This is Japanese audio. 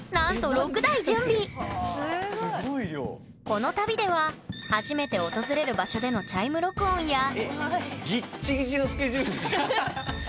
この旅では初めて訪れる場所でのチャイム録音やえっ⁉ぎっちぎちのスケジュールじゃん。